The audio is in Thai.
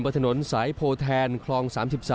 บนถนนสายโพแทนคลอง๓๓